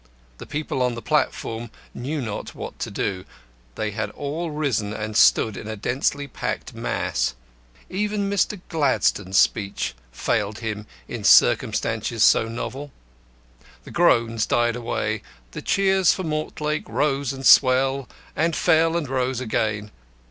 The people on the platform knew not what to do. They had all risen and stood in a densely packed mass. Even Mr. Gladstone's speech failed him in circumstances so novel. The groans died away; the cheers for Mortlake rose and swelled and fell and rose again.